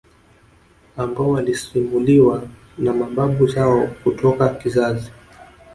ambao walisimuliwa na mababu zao kutoka kizazi